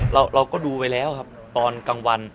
เราก็ดูไปแล้วครับตอนกลางวัน